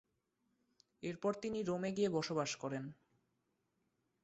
এরপর তিনি রোমে গিয়ে বসবাস করেন।